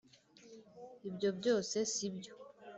Ibyo byose si byo